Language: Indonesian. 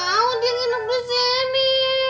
aku gak mau dia nginep di sini